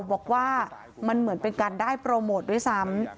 บอกว่ามันเหมือนเป็นการได้โปรโมทด้วยซ้ำ